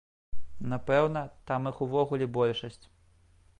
Напэўна, там іх увогуле большасць.